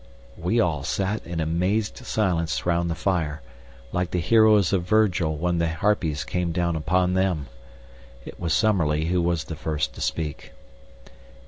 We all sat in amazed silence round the fire, like the heroes of Virgil when the Harpies came down upon them. It was Summerlee who was the first to speak.